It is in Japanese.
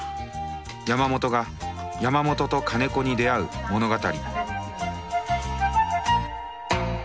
山本が山本と金子に出会う物語